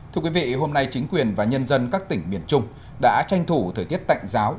thưa quý vị hôm nay chính quyền và nhân dân các tỉnh miền trung đã tranh thủ thời tiết tạnh giáo